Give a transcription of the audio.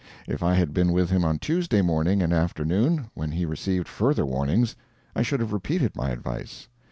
If I had been with him on Tuesday morning and afternoon, when he received further warnings, I should have repeated my advice.